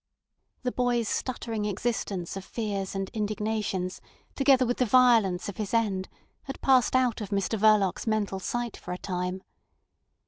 The boy's stuttering existence of fears and indignations, together with the violence of his end, had passed out of Mr Verloc's mental sight for a time.